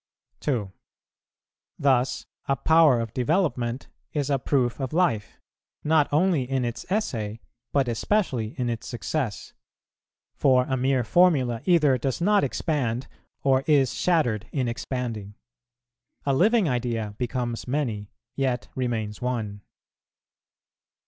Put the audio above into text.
2. Thus, a power of development is a proof of life, not only in its essay, but especially in its success; for a mere formula either does not expand or is shattered in expanding. A living idea becomes many, yet remains one.